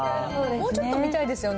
もうちょっと見たいですよね。